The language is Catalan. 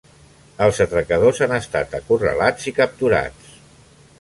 Els atracadors han estat acorralats i capturats.